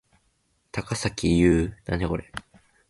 高咲侑